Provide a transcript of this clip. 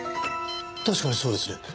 確かにそうですね。